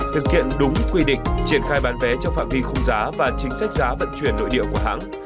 thực hiện đúng quy định triển khai bán vé trong phạm vi không giá và chính sách giá vận chuyển nội địa của hãng